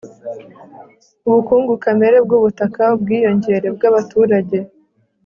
ubukungu kamere bw'ubutaka, ubwiyongere bw'abaturage